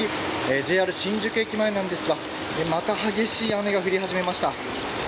ＪＲ新宿駅前なんですがまた激しい雨が降り始めました。